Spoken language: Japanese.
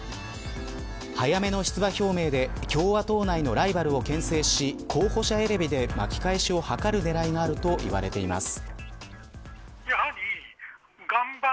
早めの出馬表明で共和党内のライバルをけん制し、候補者選びで巻き返しを図る狙いがあると言われています。